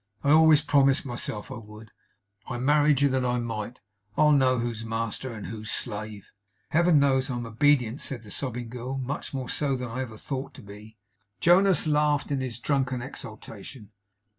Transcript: I always promised myself I would. I married you that I might. I'll know who's master, and who's slave!' 'Heaven knows I am obedient!' said the sobbing girl. 'Much more so than I ever thought to be!' Jonas laughed in his drunken exultation.